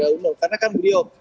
saya ingin menekankan beliau